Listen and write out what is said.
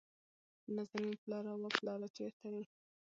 نازنين: پلاره، وه پلاره چېرته يې ؟